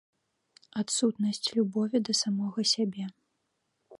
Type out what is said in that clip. Адсутнасць любові да самога сябе.